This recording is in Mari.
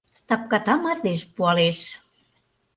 Тапката мардеж пуалеш.